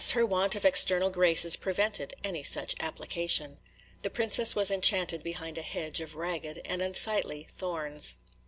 her want of external graces prevented any such application. The princess was enchanted behind a hedge of ragged and unsightly thorns.